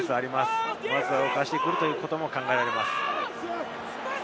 まずは動かしてくることも考えられます。